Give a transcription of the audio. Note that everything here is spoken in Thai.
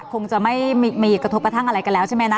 คงจะไม่มีกระทบกระทั่งอะไรกันแล้วใช่ไหมนะ